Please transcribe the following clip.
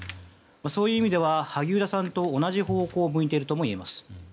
そういう意味では萩生田さんと同じ方向を見ているとも言えます。